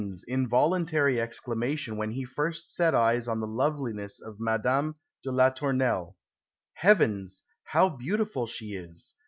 's involuntary exclamation when he first set eyes on the loveliness of Madame de la Tournelle, "Heavens! how beautiful she is!"